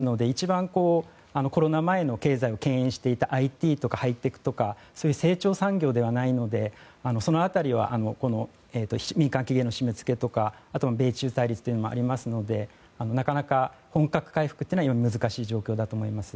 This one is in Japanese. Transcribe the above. ただ、それらは飲食業とかサービス業と観光業というような業種ですので一番コロナ前の経済を牽引していたＩＴとかハイテクとか成長産業ではないのでその辺りは民間企業への締め付けとかあとは米中対立というのもありますのでなかなか本格回復は難しい状況だと思います。